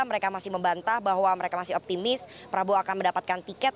mereka masih membantah bahwa mereka masih optimis prabowo akan mendapatkan tiket